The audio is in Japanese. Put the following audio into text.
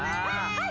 はい。